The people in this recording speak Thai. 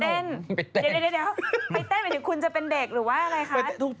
เดี๋ยวไปเต้นหมายถึงคุณจะเป็นเด็กหรือว่าอะไรคะ